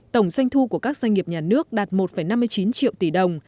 tổng doanh thu của các doanh nghiệp nhà nước đạt một năm mươi chín triệu tỷ đồng